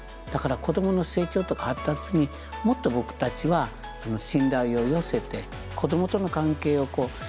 だから子どもの成長とか発達にもっと僕たちは信頼を寄せて子どもとの関係をこう。